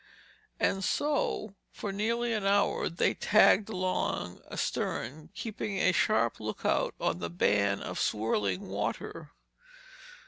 And so for nearly an hour they tagged along, astern, keeping a sharp lookout on the band of swirling water.